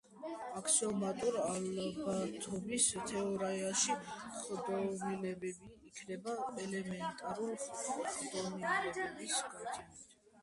აქსიომატურ ალბათობის თეორიაში ხდომილებები იქმნება ელემენტარული ხდომილებების გაერთიანებით.